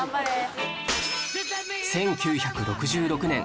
１９６６年